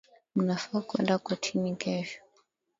Mnafaa kuenda kortini kesho